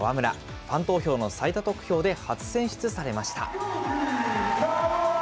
ファン投票の最多得票で初選出されました。